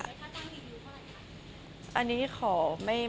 อันนี้ขอไม่ตอบได้ไหมคะ